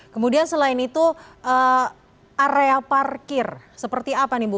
kemudian selain itu area parkir seperti apa nih bu